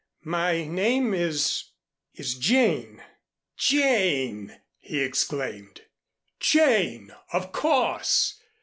"My name is is Jane." "Jane!" he exclaimed. "Jane! of course.